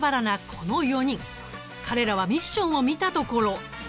彼らはミッションを見たところ。